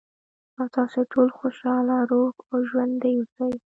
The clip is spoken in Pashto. ، او تاسې ټول خوشاله، روغ او ژوندي اوسئ.